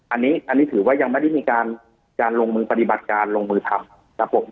อันนี้อันนี้ถือว่ายังไม่ได้มีการลงมือปฏิบัติการลงมือทำครับผม